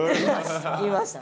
「いました」。